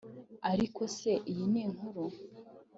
Ariko se iyi ni inkuru